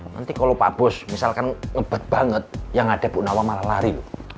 nanti kalau pak bos misalkan ngebet banget yang ada ibu nawa malah lari